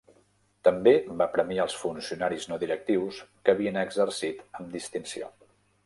També va premiar als funcionaris no directius que havien exercit amb distinció.